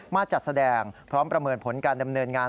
จัดแสดงพร้อมประเมินผลการดำเนินงาน